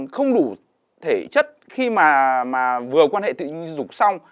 không đủ thể chất khi mà vừa quan hệ tự dục xong